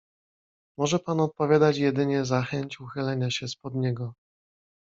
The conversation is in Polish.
"Może pan odpowiadać jedynie za chęć uchylenia się z pod niego."